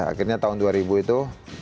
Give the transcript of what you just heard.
akhirnya tahun dua ribu itu